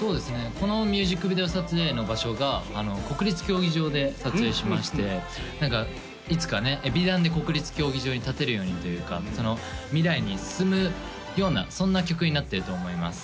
このミュージックビデオ撮影の場所が国立競技場で撮影しまして何かいつかねＥＢｉＤＡＮで国立競技場に立てるようにというかその未来に進むようなそんな曲になってると思います